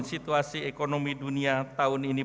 situasi ekonomi dunia tahun ini